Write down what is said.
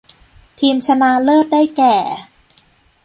ทีมชนะเลิศได้แก่